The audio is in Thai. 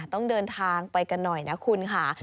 ต้องเดินทางไปกันหน่อยนะคุณค่ะ